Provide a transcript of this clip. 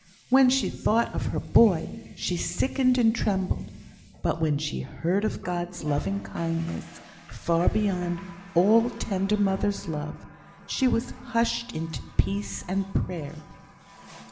When she thought of her boy, she sickened and trembled; but when she heard of God's loving kindness, far beyond all tender mother's love, she was hushed into peace and prayer.